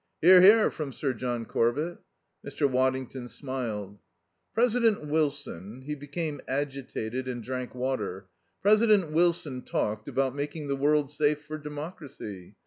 "Hear! Hear!" from Sir John Corbett. Mr. Waddington smiled. "President Wilson" he became agitated and drank water "President Wilson talked about making the world safe for democracy.